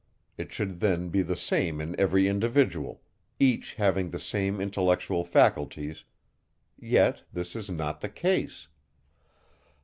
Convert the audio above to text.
It should then be the same in every individual, each having the same intellectual faculties; yet this is not the case.